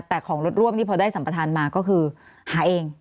แต่ของรถร่วมที่พอได้สัมประธานมาก็คือหาเอง